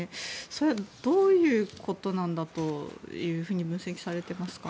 それはどういうことなんだと分析されていますか？